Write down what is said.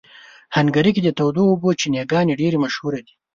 هنګري کې د تودو اوبو چینهګانې ډېرې مشهوره دي.